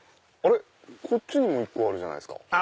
こっちにも一個あるじゃないですか。